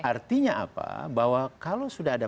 artinya apa bahwa kalau sudah ada